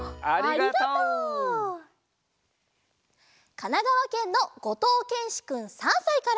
かながわけんのごとうけんしくん３さいから。